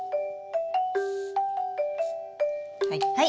はい！